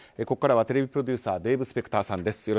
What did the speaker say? ここからはテレビプロデューサーデーブ・スペクターさんです。